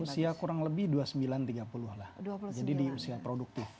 usia kurang lebih dua puluh sembilan tiga puluh an lah jadi di usia produktif